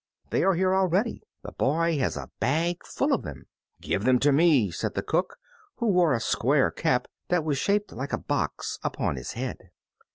"They are here already; the boy has a bag full of them." "Give them to me," said the cook, who wore a square cap, that was shaped like a box, upon his head.